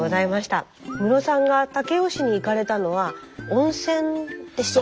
ムロさんが武雄市に行かれたのは温泉でした。